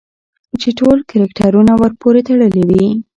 چې ټول کرکټرونه ورپورې تړلي وي